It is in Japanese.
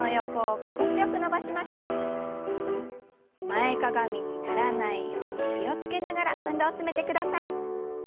前かがみにならないように気を付けながら運動を進めてください。